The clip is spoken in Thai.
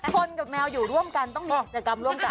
คนกับแมวอยู่ร่วมกันต้องมีกิจกรรมร่วมกัน